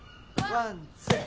ワンツー！